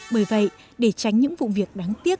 bởi vậy để tránh những vụ việc đáng tiếc